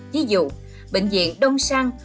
ví dụ bệnh viện đông sang